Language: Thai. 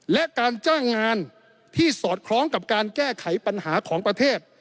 และการจ้างงานที่สอดคล้องกับการแก้ไขปัญหาของประเทศ